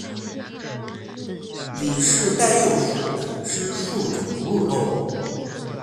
里氏袋鼬属等之数种哺乳动物。